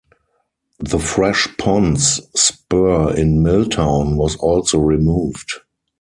The Fresh Ponds spur in Milltown was also removed.